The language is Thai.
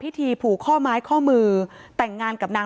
เป็นวันที่๑๕ธนวาคมแต่คุณผู้ชมค่ะกลายเป็นวันที่๑๕ธนวาคม